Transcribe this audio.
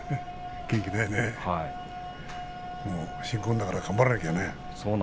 新婚だから頑張らないとね